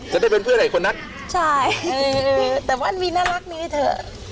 จะได้เป็นเพื่อนกับอีกคนนักใช่แต่ว่ามีน่ารักมีเถอะ